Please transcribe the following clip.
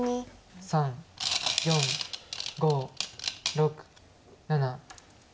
３４５６７。